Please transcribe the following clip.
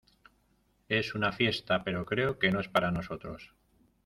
es una fiesta, pero creo que no es para nosotros.